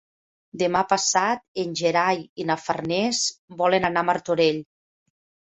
Demà passat en Gerai i na Farners volen anar a Martorell.